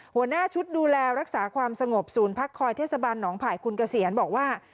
หัวหน้าชุดดูแลรักษาความสงบศูนย์พักคอยเทศบาลหนองไผ่คุณเกษียณบอกว่า